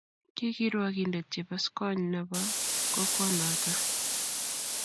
Ki kirwogindet chebaskwony nebo kokwanoto